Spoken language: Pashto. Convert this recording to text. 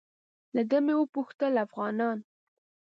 له ده مې وپوښتل افغانان.